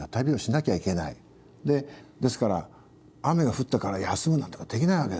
でですから雨が降ったから休むなんてことできないわけですよ。